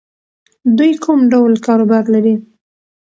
دوی کوم ډول کاروبار لري؟